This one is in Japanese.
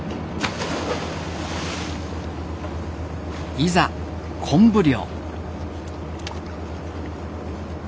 いざ昆布漁。